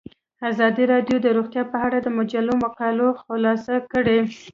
ازادي راډیو د روغتیا په اړه د مجلو مقالو خلاصه کړې.